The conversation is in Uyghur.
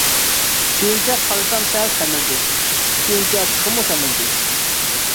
كېيىنچە قارىسام سەل سەمرىدى، كېيىنچە تېخىمۇ سەمرىدى.